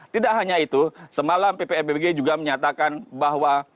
tidak hanya itu semalam ppmbg juga menyatakan bahwa